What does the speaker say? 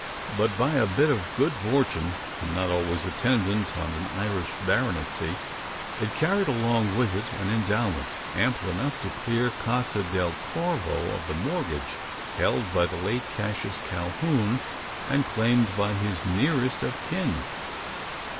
But, by a bit of good fortune not always attendant on an Irish baronetcy it carried along with it an endowment ample enough to clear Casa del Corvo of the mortgage held by the late Cassius Calhoun, and claimed by his nearest of kin.